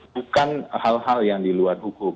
bukan hal hal yang diluar hukum